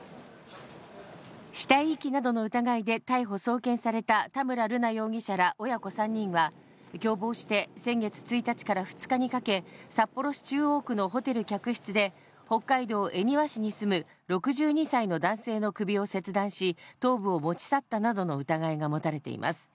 死体遺棄などの疑いで逮捕・送検された田村瑠奈容疑者ら親子３人は、共謀して先月１日から２日にかけ、札幌市中央区のホテル客室で、北海道恵庭市に住む６２歳の男性の首を切断し、頭部を持ち去ったなどの疑いが持たれています。